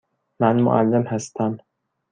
من معلم هستم.